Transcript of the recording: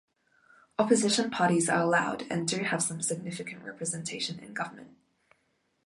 Opposition parties are allowed and do have some significant representation in government.